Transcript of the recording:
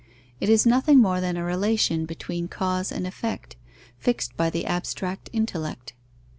It is nothing more than a relation between cause and effect, fixed by the abstract intellect.